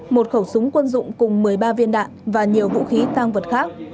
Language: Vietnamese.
một khẩu súng quân dụng cùng một mươi ba viên đạn và nhiều vũ khí tăng vật khác